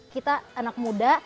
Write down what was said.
kita anak muda